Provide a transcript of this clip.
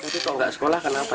kalau tidak sekolah kenapa